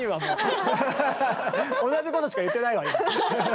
同じことしか言ってないわ今。